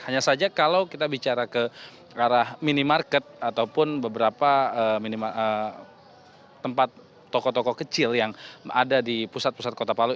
hanya saja kalau kita bicara ke arah minimarket ataupun beberapa tempat toko toko kecil yang ada di pusat pusat kota palu